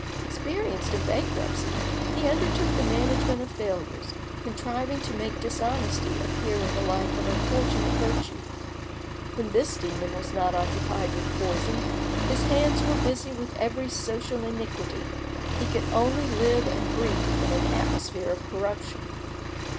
Experienced in bankruptcy, he undertook the management of failures, contriving to make dishonesty appear in the light of unfortunate virtue. When this demon was not occupied with poison, his hands were busy with every social iniquity; he could only live and breathe in an atmosphere of corruption.